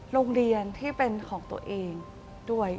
โรงเรียนที่เป็นของตัวเองด้วย